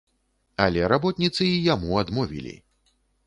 Але работніцы і яму адмовілі.